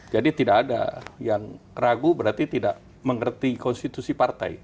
jadi tidak ada yang ragu berarti tidak mengerti konstitusi partai